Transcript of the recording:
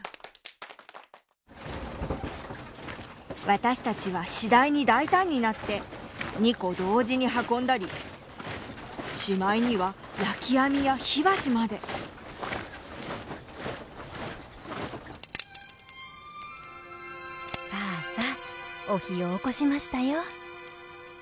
私たちは次第に大胆になって２個同時に運んだりしまいには焼き網や火箸までさあさお火をおこしましたよ。